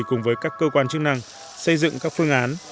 cùng với các cơ quan chức năng xây dựng các phương án